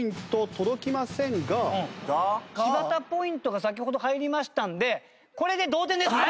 柴田ポイントが先ほど入りましたのでこれで同点ですね！